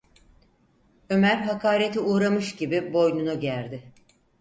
Ömer hakarete uğramış gibi boynunu gerdi.